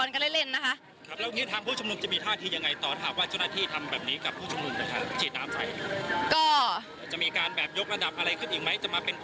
การฉีดน้ำเนี่ย